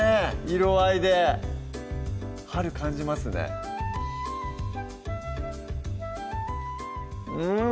色合いで春感じますねうん！